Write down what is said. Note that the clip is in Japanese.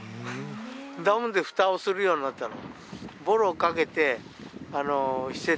だもんでフタをするようになったの。